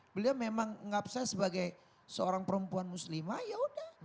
beliau memang mengabsah sebagai seorang perempuan muslimah ya udah